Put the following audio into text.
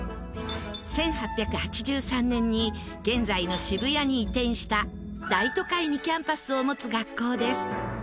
１８８３年に現在の渋谷に移転した大都会にキャンパスを持つ学校です。